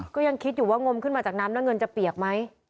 ก็ยังคิดอยู่ว่างมขึ้นมาจากน้ำแล้วเงินจะเปียกไหม